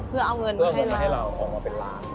เพื่อเอาเงินมาให้เราออกมาเป็นล้าน